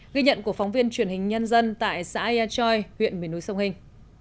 ghi nhận của phóng viên truyền hình nhân dân tại xã ea choi huyện bình núi sông hinh